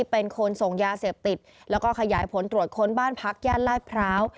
เป็นคนส่งยาเสพติดแล้วก็ขยายผลตรวจค้นบ้านพักย่านลาดพร้าว